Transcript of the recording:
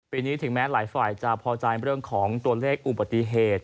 นี้ถึงแม้หลายฝ่ายจะพอใจเรื่องของตัวเลขอุบัติเหตุ